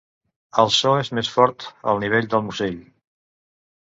El so és més fort al nivell del musell.